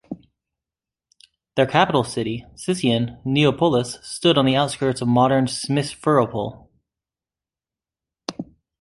Their capital city, Scythian Neapolis, stood on the outskirts of modern Simferopol.